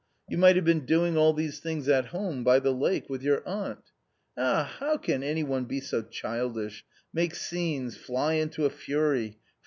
You might have been doing all these things at home, by the lake, with your aunt. Ah, how can any one be so childish — make scenes — fly into a fury